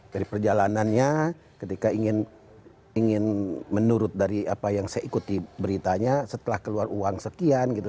dari perjalanannya ketika ingin menurut dari apa yang saya ikuti beritanya setelah keluar uang sekian gitu